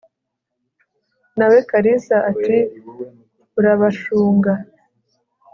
Na we Kalisa ati Urabashunga